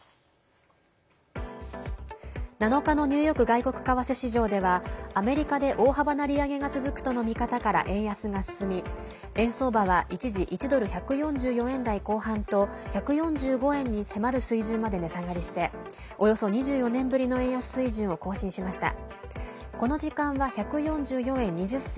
７日のニューヨーク外国為替市場ではアメリカで大幅な利上げが続くとの見方から円安が進み円相場は一時１ドル＝１４４円台後半と１４５円に迫る水準まで値下がりしておよそ２４年ぶりの円安水準を更新しました。